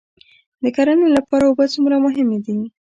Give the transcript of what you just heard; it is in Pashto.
د کرنې لپاره اوبه څومره مهمې دي؟